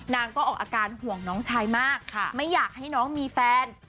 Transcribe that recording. นางก็ออกอาการห่วงน้องชายมากไม่อยากให้น้องมีแฟน